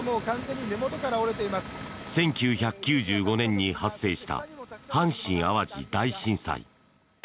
１９９５年に発生した阪神・淡路大震災。